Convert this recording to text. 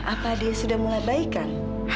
apa dia sudah mulai baikan